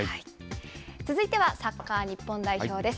続いてはサッカー日本代表です。